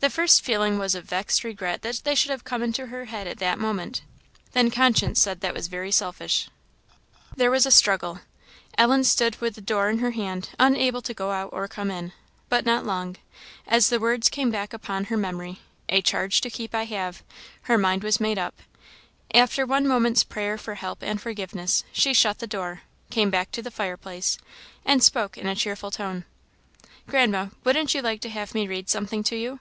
The first feeling was of vexed regret that they should have come into her head at that moment; then conscience said that was very selfish. There was a struggle. Ellen stood with the door in her hand, unable to go out or come in. But not long. As the words came back upon her memory "A charge to keep I have" her mind was made up; after one moment's prayer for help and forgiveness, she shut the door, came back to the fireplace, and spoke in a cheerful tone "Grandma, wouldn't you like to have me read something to you?"